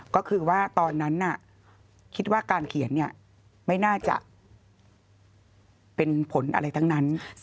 ก็คือว่าตอนนั้นคิดว่าการเขียนไม่น่าจะเป็นผลอะไรทั้งนั้น